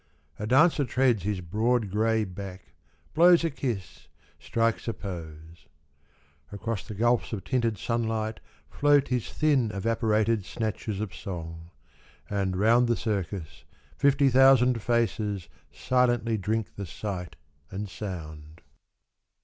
A dancer treads His broad grey back, blows a kiss, strikes a pose. Across the gulfs of tinted sunlight float His thin evaporated snatches of song. And round the Circus fifty thousand faces Silently drink the sight and sound.